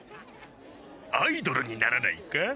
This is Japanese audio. アイドルにならないか？